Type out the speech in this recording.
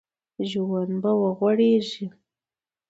ژوند به وغوړېږي